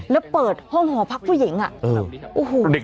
แล้วเปิดห้องหอพักผู้หญิงอ่ะโอ้โหเด็ก